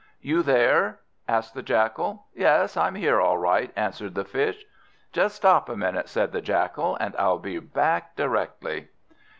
"You there?" asked the Jackal. "Yes, I'm here all right," answered the Fish. "Just stop a minute," said the Jackal, "and I'll be back directly."